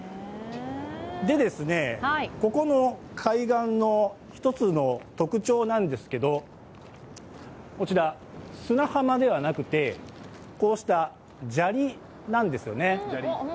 ここの海岸の１つの特徴なんですけど、こちら、砂浜ではなくてこうした砂利なんですよね。